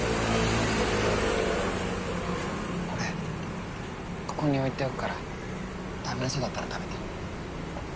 これここに置いておくから食べられそうだったら食べて。